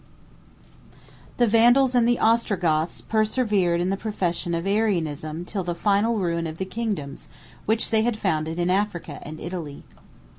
] The Vandals and the Ostrogoths persevered in the profession of Arianism till the final ruin of the kingdoms which they had founded in Africa and Italy.